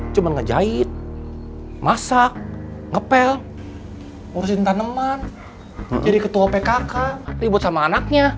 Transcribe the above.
cuma ngejahit masak ngepel ngurusin tanaman jadi ketua pkk ribut sama anaknya